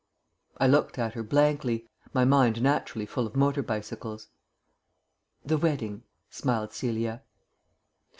I looked at her blankly, my mind naturally full of motor bicycles. "The wedding," smiled Celia.